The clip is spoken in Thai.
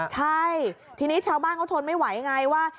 ใช่ทีนี้ชาวบ้านเขาทนไม่ไหวไงว่า